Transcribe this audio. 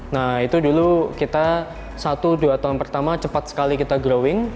nah itu dulu kita satu dua tahun pertama cepat sekali kita growing